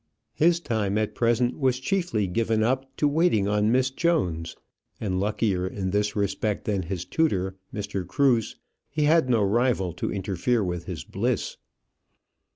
His time at present was chiefly given up to waiting on Miss Jones; and, luckier in this respect than his tutor, Mr. Cruse, he had no rival to interfere with his bliss.